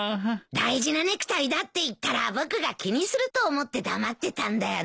大事なネクタイだって言ったら僕が気にすると思って黙ってたんだよね。